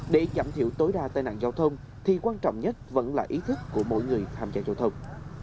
để giảm thiểu tối đa tai nạn giao thông thì quan trọng nhất vẫn là ý thức của mỗi người tham gia giao thông